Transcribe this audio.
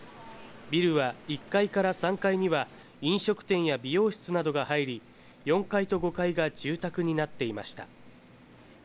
ビルは１階から３階には飲食店や美容室などが入り４階と５階が住宅になっていました。